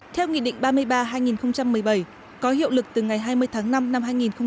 theo nghị định ba mươi ba hai nghìn một mươi bảy có hiệu lực từ ngày hai mươi tháng năm năm hai nghìn một mươi chín